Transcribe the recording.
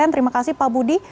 terima kasih pak budi